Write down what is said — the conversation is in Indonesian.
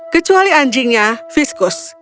kecuali anjingnya viskus